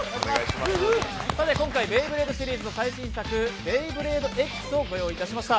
今回ベイブレードシリーズの最新作「ベイブレードエックス」をご用意しました。